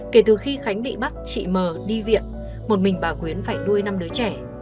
kể từ khi khánh bị bắt chị mờ đi viện một mình bà quyến phải nuôi năm đứa trẻ